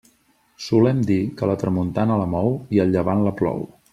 Solem dir que la tramuntana la mou i el llevant la plou.